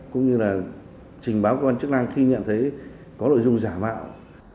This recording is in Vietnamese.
cũng như là trình báo của công an chức năng khi nhận thấy có nội dung giả mạo